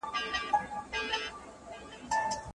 د تغيرنه منونکو عاداتو په اړه څنګه احتياط کيږي؟